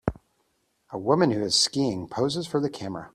A woman who is skiing poses for the camera